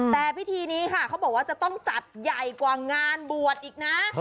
แต่พิธีนี้ค่ะเขาบอกว่าจะต้องจัดใหญ่กว่างานบวชอีกนะ